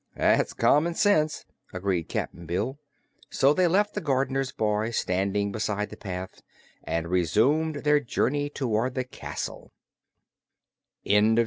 "That's common sense," agreed Cap'n Bill. So they left the gardener's boy standing beside the path, and resumed their journey toward the castle.